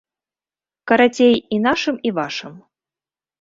Карацей, і нашым і вашым.